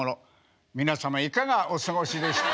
皆様いかがお過ごしでしょう。